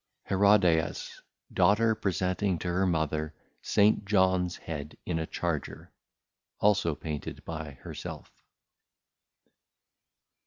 HERODIAS Daughter presenting to her Mother St. JOHN_'s Head in a Charger, also Painted by her self_.